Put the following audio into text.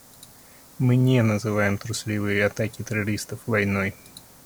Мы не называем трусливые атаки террористов войной.